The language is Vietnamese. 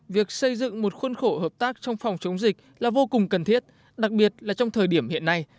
việc xây dựng một khuôn khổ hợp tác trong phòng chống dịch là vô cùng cần thiết đặc biệt là trong thời điểm hiện nay